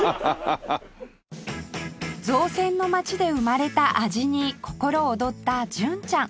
造船の街で生まれた味に心躍った純ちゃん